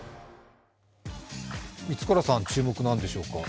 満倉さん、注目何でしょうか？